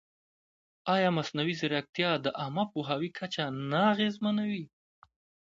ایا مصنوعي ځیرکتیا د عامه پوهاوي کچه نه اغېزمنوي؟